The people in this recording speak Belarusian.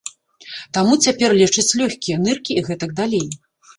Таму цяпер лечаць лёгкія, ныркі і гэтак далей.